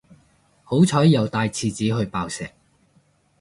好彩有帶廁紙去爆石